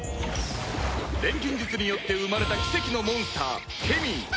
錬金術によって生まれた奇跡のモンスターケミー